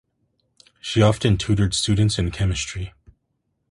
She often tutored students in chemistry.